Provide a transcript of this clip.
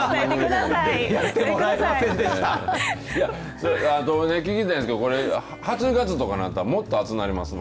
ちょっと聞きたいんですけどこれ８月とかなったらもっと暑くなりますの。